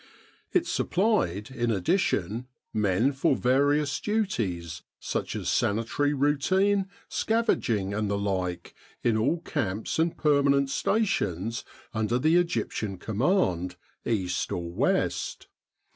It supplied, in addition, men for various duties, such as sanitary routine, scavenging and the like, in all camps and permanent stations under the Egyptian Command, east or west.